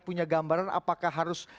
punya gambaran apakah harus